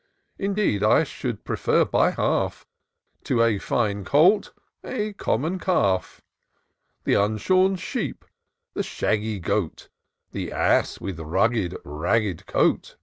Indeed, I should prrfer by half, To a fine colt, a common calf: The unshorn sheep, the shaggy goat, The ass with rugged, ragged coat.